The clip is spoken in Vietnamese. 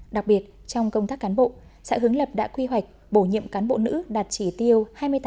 đặc biệt trong công tác cán bộ xã hướng lập đã quy hoạch bổ nhiệm cán bộ nữ đạt chỉ tiêu hai mươi tám